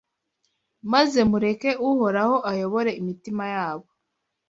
maze mureke Uhoraho ayobore imitima yabo